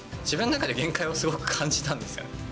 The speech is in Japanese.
自分の中で限界をすごく感じたんですよ、